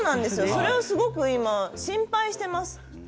それはすごい今、心配しています。